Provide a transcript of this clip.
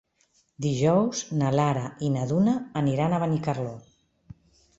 Dijous na Lara i na Duna aniran a Benicarló.